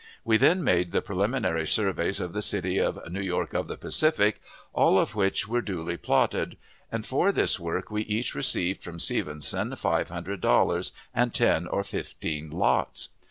We then made the preliminary surveys of the city of "New York of the Pacific," all of which were duly plotted; and for this work we each received from Stevenson five hundred dollars and ten or fifteen lots.